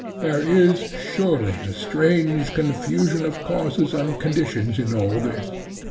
There is surely a strange confusion of causes and conditions in all this.